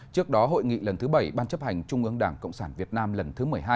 trước đó hội nghị lần thứ bảy ban chấp hành trung ương đảng cộng sản việt nam lần thứ một mươi hai